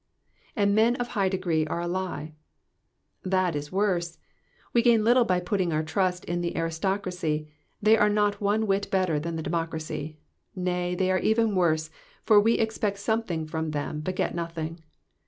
^''And men of high degree are a lie."^^ That is worse. We gain little by putting our trust in the aristocracy, they are not one whit better than • the democracy ; nay, they are even worse, for we expect something fiom them, but get nothing.